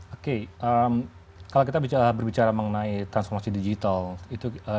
oke kalau kita berbicara mengenai transformasi digital itu